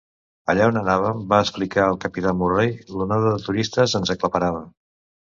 "Allà on anàvem," va explicar el capità Murray, "l'onada de turistes ens aclaparava".